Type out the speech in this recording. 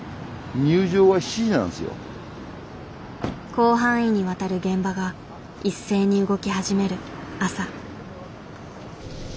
広範囲にわたる現場が一斉に動き始める朝。